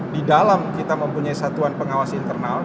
di dalam kita mempunyai satuan pengawas internal